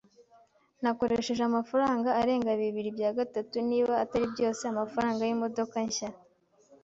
Nakoresheje amafaranga arenga bibiri bya gatatu, niba atari byose, amafaranga yimodoka nshya.